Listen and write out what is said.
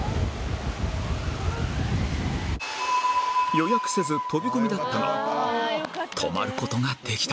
予約せず飛び込みだったが泊まる事ができた